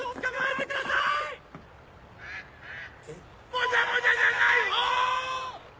もじゃもじゃじゃない方！